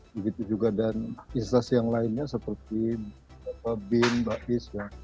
begitu juga dan instasi yang lainnya seperti bin bakis